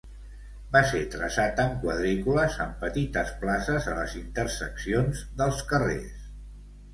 Va ser traçat en quadrícules, amb petites places a les interseccions dels carrers.